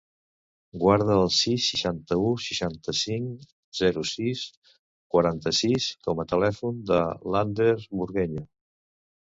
Guarda el sis, seixanta-u, seixanta-cinc, zero, sis, quaranta-sis com a telèfon de l'Ander Burgueño.